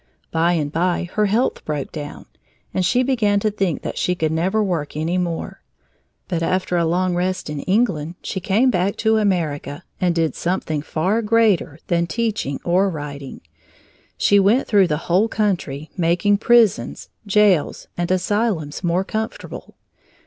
By and by her health broke down, and she began to think that she could never work any more, but after a long rest in England she came back to America and did something far greater than teaching or writing she went through the whole country making prisons, jails, and asylums more comfortable.